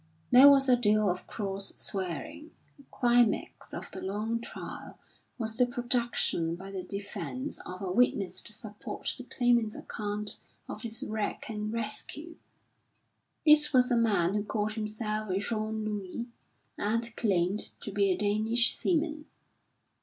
There was a deal of cross swearing. The climax of the long trial was the production by the defence of a witness to support the Claimant's account of his wreck and rescue. This was a man who called himself Jean Luie and claimed to be a Danish seaman.